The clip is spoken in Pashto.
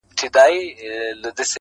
ريشا زموږ د عاشقۍ خبره ورانه سوله,